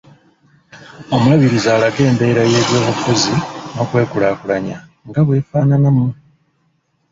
Omuluubirizi alage embeera y’ebyobufuzi n’okwekulaakulanya nga bw’efaanana mu